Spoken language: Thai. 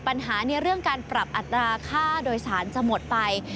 ปัญหาในเรื่องการปรับอัตราค่าโดยสารจะหมดไป